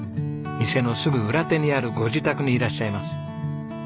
店のすぐ裏手にあるご自宅にいらっしゃいます。